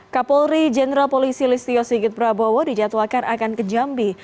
kapolri jenderal polisi listio sigit prabowo dijadwalkan akan ke jambi